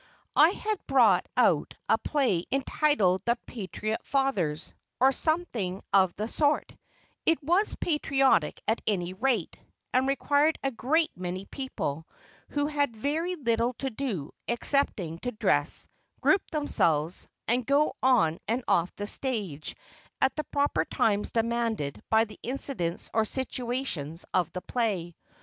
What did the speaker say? I had brought out a play entitled "The Patriot Fathers," or something of the sort; it was patriotic at any rate, and required a great many people, who had very little to do excepting to dress, group themselves, and go on and off the stage at the proper times demanded by the incidents or situations of the play.